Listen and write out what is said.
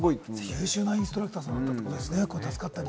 優秀なインストラクターさんだったってことですかね。